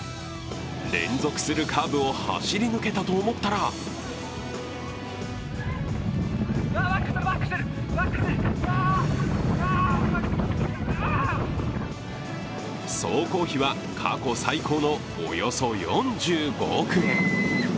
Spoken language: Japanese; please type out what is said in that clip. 連続するカーブを走り抜けたと思ったら総工費は過去最高のおよそ４５億円。